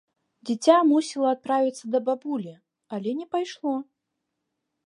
Дзіця мусіла адправіцца да бабулі, але не пайшло.